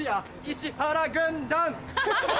石原軍団！